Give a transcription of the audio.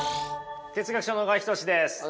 哲学者の小川仁志です。